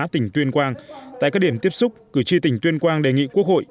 tỉnh tuyên quang tại các điểm tiếp xúc cử tri tỉnh tuyên quang đề nghị quốc hội